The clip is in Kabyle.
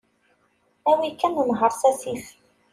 Awi kan nher s asif.